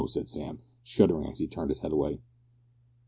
said Sam, shuddering as he turned his head away.